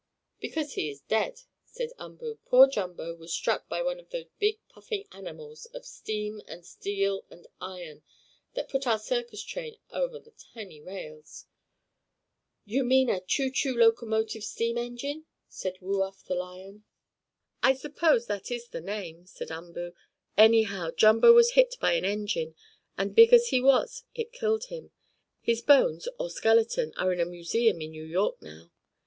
"Because he is dead," said Umboo. "Poor Jumbo was struck by one of those big puffing animals, of steam and steel and iron, that pull our circus train over the shiny rails." "You mean a choo choo locomotive steam engine," said Woo Uff, the lion. "I suppose that is the name," said Umboo. "Anyhow, Jumbo was hit by an engine, and, big as he was, it killed him. His bones, or skeleton, are in a museum in New York now."